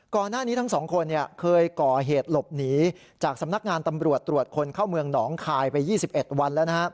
ก่อนหน้านี้ทั้งสองคนเคยก่อเหตุหลบหนีจากสำนักงานตำรวจตรวจคนเข้าเมืองหนองคายไป๒๑วันแล้วนะครับ